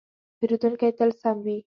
پیرودونکی تل سم وي.